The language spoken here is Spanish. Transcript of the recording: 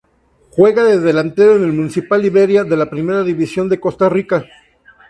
Juega de delantero en el Municipal Liberia de la Primera División de Costa Rica.